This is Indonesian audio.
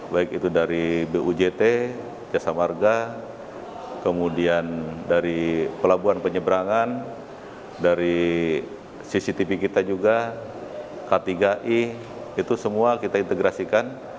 baik itu dari bujt jasa marga kemudian dari pelabuhan penyeberangan dari cctv kita juga k tiga i itu semua kita integrasikan